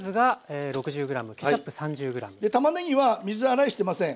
でたまねぎは水洗いしてません。